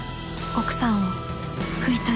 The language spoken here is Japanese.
奥さんを救いたい。